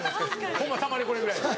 ホンマたまにこれぐらいです。